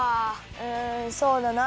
うんそうだなあ。